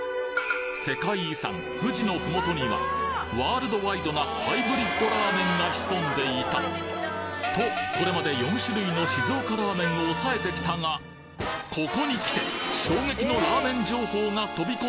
世界遺産富士のふもとにはワールドワイドなハイブリッドラーメンが潜んでいたとこれまで４種類の静岡ラーメンを抑えてきたがここにきて朝ラー。